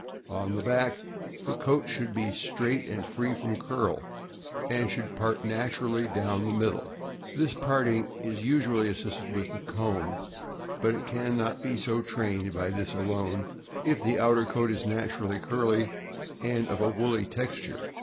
On the back, the coat should be straight and free from curl, and should part naturally down the middle. This parting is usually assisted with the comb; but it can not be so trained by this alone, if the outer coat is naturally curly and of a woolly texture.